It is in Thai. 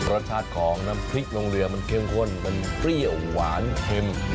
รสชาติของน้ำพริกลงเรือมันเข้มข้นมันเปรี้ยวหวานเค็ม